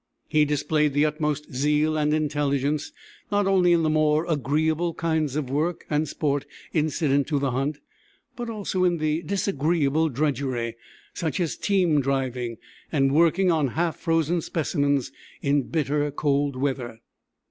He displayed the utmost zeal and intelligence, not only in the more agreeable kinds of work and sport incident to the hunt, but also in the disagreeable drudgery, such as team driving and working on half frozen specimens in bitter cold weather.